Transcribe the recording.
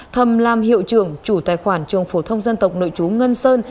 thầm làm hiệu trưởng chủ tài khoản trường phổ thông dân tộc nội chú ngân sơn